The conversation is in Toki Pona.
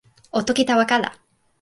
o toki tawa kala.